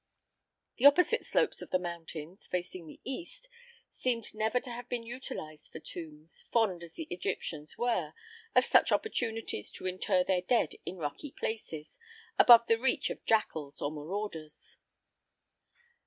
The opposite slopes of the mountains, facing the east, seemed never to have been utilized for tombs, fond as the Egyptians were of such opportunities to inter their dead in rocky places, above the reach of jackals or marauders.